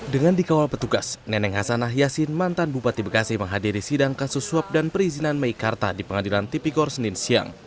dengan dikawal petugas neneng hasanah yassin mantan bupati bekasi menghadiri sidang kasus suap dan perizinan meikarta di pengadilan tipikor senin siang